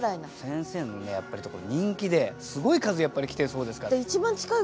先生のやっぱり人気ですごい数来てるそうですから。